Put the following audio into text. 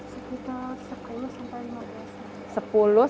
sekitar sepuluh sampai lima belas